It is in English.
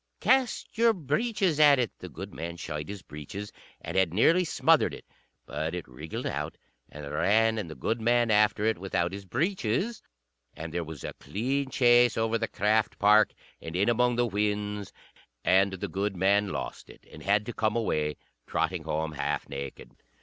"Cast your breeches at it!" The goodman shied his breeches, and had nearly smothered it. But it wriggled out and ran, and the goodman after it without his breeches; and there was a clean chase over the craft park, and in among the whins; and the goodman lost it, and had to come away, trotting home half naked.